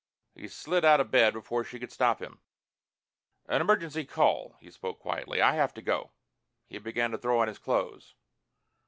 He slid out of bed before she could stop him. "An emergency call." He spoke quietly. "I have to go." He began to throw on his clothes.